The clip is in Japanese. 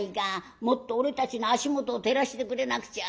もっと俺たちの足元を照らしてくれなくちゃ。